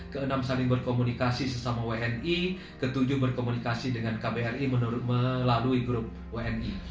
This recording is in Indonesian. keenam saling berkomunikasi sesama wni ketujuh berkomunikasi dengan kbri melalui grup wni